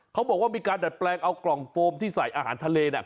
เขาบอกว่ามีการดัดแปลงเอากล่องโฟมที่ใส่อาหารทะเลน่ะ